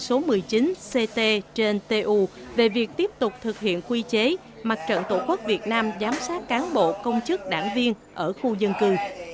thành ủy thành phố của ban hành chỉ số một mươi chín ct trên tu về việc tiếp tục thực hiện quy chế mặt trận tổ quốc việt nam giám sát cán bộ công chức đảng viên ở khu dân cư